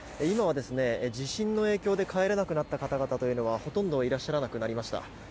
今は、地震の影響で帰れなくなった方々はほとんどいらっしゃらなくなりました。